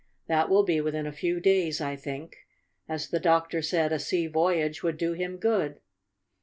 That will be within a few days, I think, as the doctor said a sea voyage would do him good.